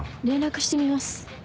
連絡してみます。